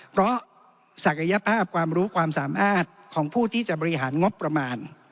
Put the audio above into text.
เพราะศักยภาพความรู้ความสามารถของผู้ที่จะบริหารงบประมาณ